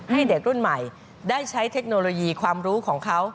ให้เด็กรุ่นใหม่ได้ใช้เทคโนโลยีความรู้ของเขา